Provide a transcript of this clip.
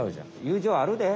友情あるで。